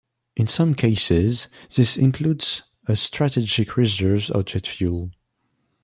In some cases, this includes a strategic reserve of jet fuel.